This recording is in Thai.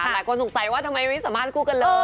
หลายคนสงสัยว่าทำไมไม่ได้สัมภาษณ์คู่กันเลย